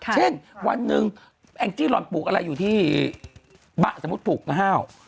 เช่นวันหนึ่งแองจี้หล่อนปลูกอะไรอยู่ที่บ้านสมมุติปลูกมะห้าว